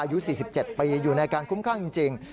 อายุ๔๗ปีอยู่ในการคุ้มครั่งจริง